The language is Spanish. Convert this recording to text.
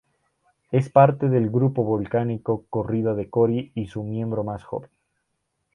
Es parte del grupo volcánico Corrida de Cori y su miembro más joven.